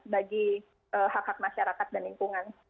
bagi hak hak masyarakat dan lingkungan